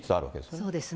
そうですね。